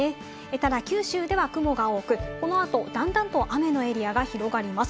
ただ九州では雲が多く、この後だんだんと雨のエリアが広がります。